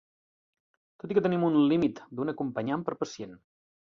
Tot i que tenim un límit d'un acompanyant per pacient.